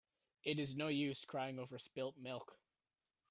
It is no use crying over spilt milk.